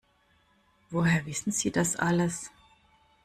Woher wissen Sie das alles?